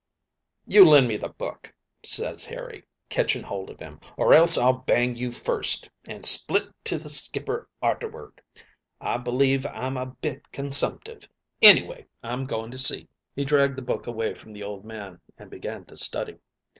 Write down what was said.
"'You lend me the book,' ses Harry, ketching hold of him, 'or else I'll bang you first, and split to the skipper arterward. I believe I'm a bit consumptive. Anyway, I'm going to see.' "He dragged the book away from the old man, and began to study.